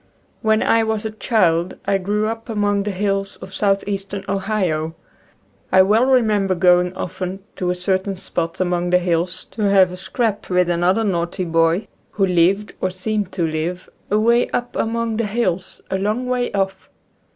When I was a child I grew up among the hills of southeastern Ohio. I well remember going often to a certain spot among the hills to have a "scrap" with another "naughty" boy, who lived or seemed to live, away up among the hills, a long way off.